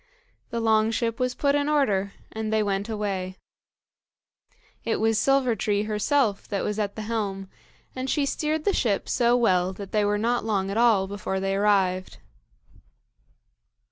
The long ship was put in order, and they went away. It was Silver tree herself that was at the helm, and she steered the ship so well that they were not long at all before they arrived.